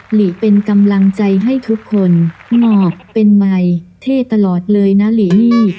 หลีเป็นกำลังใจให้ทุกคนงอกเป็นไมค์เท่ตลอดเลยนะหลีลี่